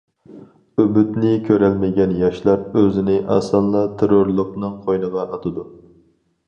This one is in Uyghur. ئۈمىدنى كۆرەلمىگەن ياشلار ئۆزىنى ئاسانلا تېررورلۇقنىڭ قوينىغا ئاتىدۇ.